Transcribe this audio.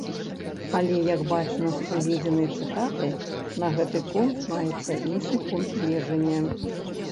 Але, як бачна з прыведзенай цытаты, на гэты конт маецца іншы пункт гледжання.